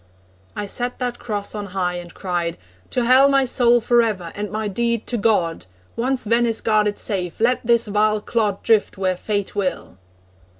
I set that cross on high, and cried: 'To Hell My soul for ever, and my deed to God! Once Venice guarded safe, let this vile clod Drift where fate will.'